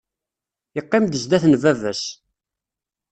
Yeqqim-d sdat n baba-s!